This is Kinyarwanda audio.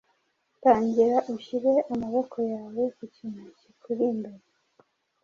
Tangira ushyire amaboko yawe ku kintu kikuri imbere.